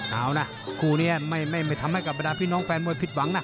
เอานะคู่นี้ไม่ทำให้กับบรรดาพี่น้องแฟนมวยผิดหวังนะ